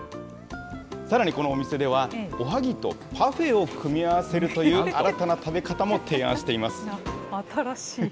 さらにこのお店では、おはぎとパフェを組み合わせるという、新たな食べ方も提案しています。